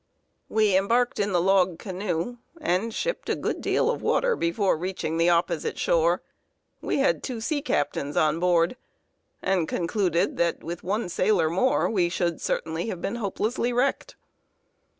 We embarked in the log canoe, and shipped a good deal of water before reaching the opposite shore. We had two sea captains on board, and concluded that, with one sailor more, we should certainly have been hopelessly wrecked.